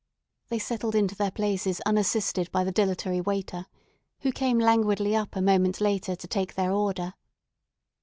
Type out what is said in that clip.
They settled into their places unassisted by the dilatory waiter, who came languidly up a moment later to take their order.